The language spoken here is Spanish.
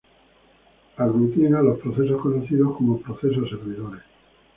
Aglutina los procesos conocidos como procesos servidores.